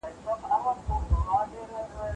زه اوږده وخت درسونه لوستل کوم!